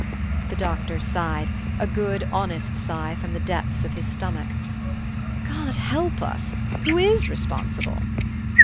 The Doctor sighed, a good honest sigh, from the depths of his stomach. "God help us! Who is responsible?"